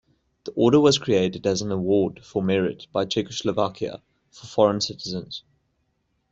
The order was created as an award for merit by Czechoslovakia for foreign citizens.